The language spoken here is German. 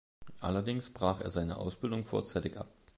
Allerdings brach er seine Ausbildung vorzeitig ab.